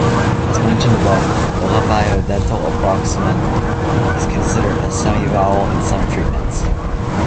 As mentioned above, the labiodental approximant is considered a semivowel in some treatments.